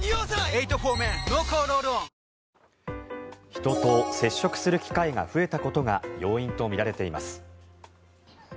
人と接触する機会が増えたことが要因とみられています。